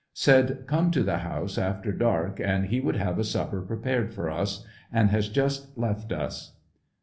Said come to the house after dark and he wovld have a supper prepared for us, and has just left us.